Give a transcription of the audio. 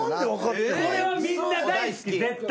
これはみんな大好き絶対に。